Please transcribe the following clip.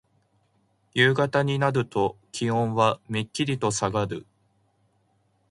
夕方になると気温はめっきりとさがる。